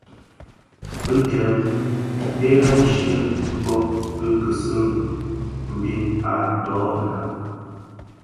Bị dèm mbèrèn chi bò kiseni mbiň a ndhoňa bi.